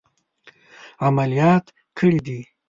عملیات کړي دي.